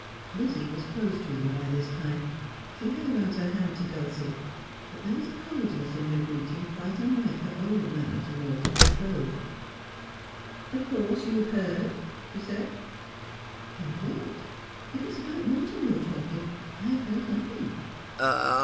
1 Lizzie was close to them by this time. She held out her hand to Dulcie, but there was a coldness in her greeting quite unlike her old manner to Morton's betrothed. ' Of course, you have heard ?' she said. ' Heard what ? If it is about Morton you are talking I have heard nothing.'